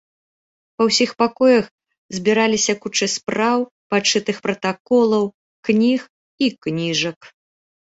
Па ўсіх пакоях збіраліся кучы спраў, падшытых пратаколаў, кніг і кніжак.